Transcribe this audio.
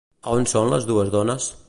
A on són les dues dones?